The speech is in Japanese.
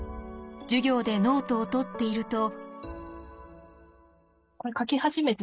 授業でノートをとっていると。